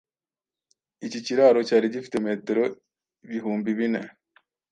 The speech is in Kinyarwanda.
Iki kiraro cyari gifite metero bihumbi bine